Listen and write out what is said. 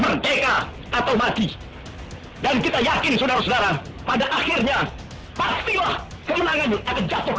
merdeka atau mati dan kita yakin saudara saudara pada akhirnya pastilah kemenangannya akan jatuh